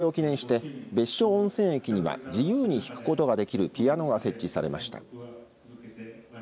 これを記念して別所温泉駅には自由に弾くことができるピアノが設置されました。